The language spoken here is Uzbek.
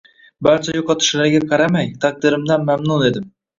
Barcha yo`qotishlarga qaramay taqdirimdan mamnun edim